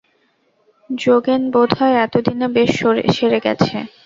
যোগেন বোধ হয় এতদিনে বেশ সেরে গেছে।